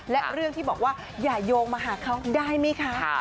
และเรื่องที่บอกว่าอย่าโยงมาหาเขาได้ไหมคะ